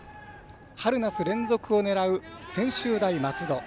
春夏連続を狙う専修大松戸。